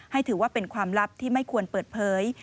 ถือว่าเป็นความลับที่ไม่ควรเปิดเผย